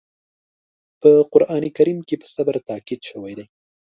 په قرآن کریم کې په صبر تاکيد شوی دی.